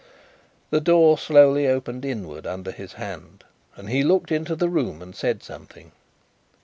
The door slowly opened inward under his hand, and he looked into the room and said something.